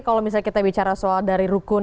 kalau misalnya kita bicara soal dari rukun